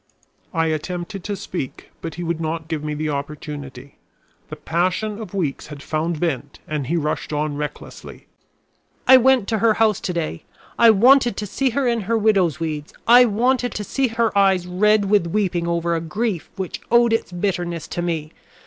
I attempted to speak, but he would not give me the opportunity. The passion of weeks had found vent and he rushed on recklessly. "I went to her house to day. I wanted to see her in her widow's weeds; I wanted to see her eyes red with weeping over a grief which owed its bitterness to me.